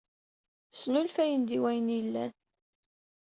Snulfayen-d i wayen i yellan